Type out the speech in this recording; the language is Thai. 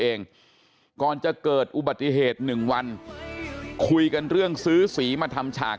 เองก่อนจะเกิดอุบัติเหตุหนึ่งวันคุยกันเรื่องซื้อสีมาทำฉาก